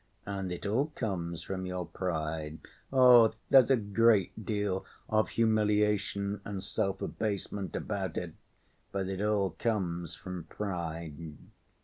And it all comes from your pride. Oh, there's a great deal of humiliation and self‐abasement about it, but it all comes from pride....